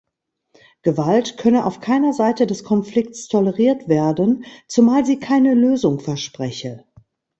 Gewalt könne auf keiner Seite des Konflikts toleriert werden, zumal sie keine Lösung verspreche.